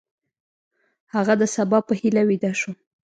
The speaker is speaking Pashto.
هغه د سبا په هیله ویده شو.